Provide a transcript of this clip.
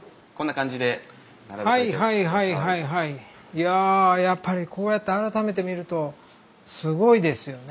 いややっぱりこうやって改めて見るとすごいですよね。